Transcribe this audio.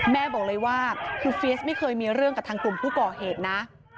แม่บอกเลยว่าคือเฟียสไม่เคยมีเรื่องกับทางกลุ่มผู้ก่อเหตุนะ